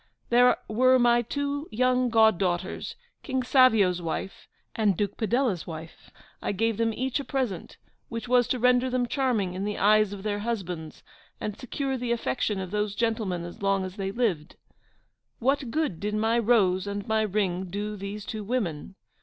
'There were my two young goddaughters, King Savio's wife, and Duke Padella's wife, I gave them each a present, which was to render them charming in the eyes of their husbands, and secure the affection of those gentlemen as long as they lived. What good did my Rose and my Ring do these two women?